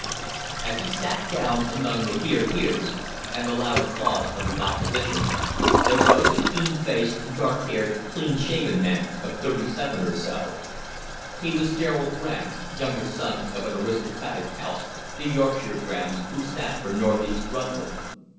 As he sat down amid the "hear, hears," and the loud applause of the Opposition there rose a keen faced, dark haired, clean shaven man of thirty seven or so. He was Gerald Graham, younger son of an aristocratic house, the Yorkshire Grahams, who sat for North East Rutland.